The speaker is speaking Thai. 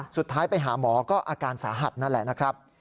สุดท้ายไปหาหมอก็อาการสาหัสนั่นแหละนะครับ